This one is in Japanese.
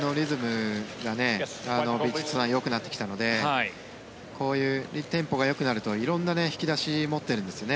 少し攻撃のリズムがヴィチットサーンよくなってきたのでこういうテンポがよくなると色んな引き出しを持ってるんですよね。